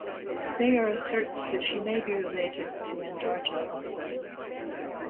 Thayer asserts that she may be related to Andarta also.